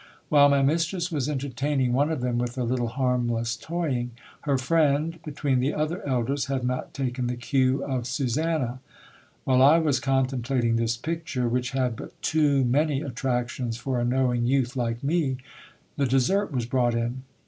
While my mistress was entertaining one of them with a little harmless toying, her friend, between the other elders, had not taken the cue of Susanna. While I was contemplating this picture, which had but too many attractions for a knowing youth like me, the dessert was brought in.